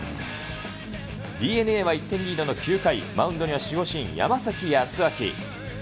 ＤｅＮＡは１点リードの９回、マウンドには守護神、山崎康晃。